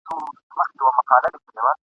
ملاجان وايي وېشونه ازلي دي !.